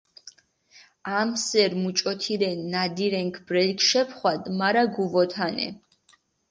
ამსერი მუჭოთირენ ნადირენქ ბრელქ შეფხვადჷ, მარა გუვოთანე.